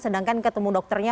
sedangkan ketemu dokternya